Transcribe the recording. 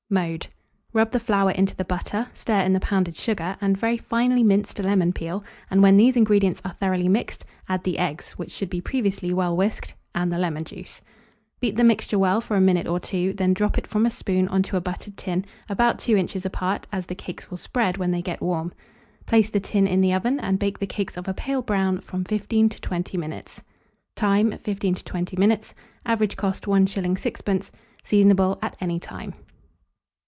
Mode. Rub the flour into the butter; stir in the pounded sugar and very finely minced lemon peel, and when these ingredients are thoroughly mixed, add the eggs, which should be previously well whisked, and the lemon juice. Beat the mixture well for a minute or two, then drop it from a spoon on to a buttered tin, about 2 inches apart, as the cakes will spread when they get warm; place the tin in the oven, and bake the cakes of a pale brown from 15 to 20 minutes. Time. 15 to 20 minutes. Average cost, 1s. 6d. Seasonable at any time.